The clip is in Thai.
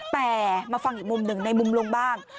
แต่มาฟังอีกมุมหนึ่งในมุมลุงบ้าง